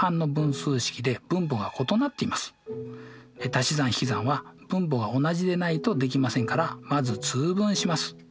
たし算ひき算は分母が同じでないとできませんからまず通分します。